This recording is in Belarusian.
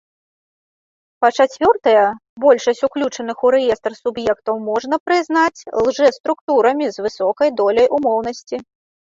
Па-чацвёртае, большасць уключаных у рэестр суб'ектаў можна прызнаць лжэструктурамі з высокай доляй умоўнасці.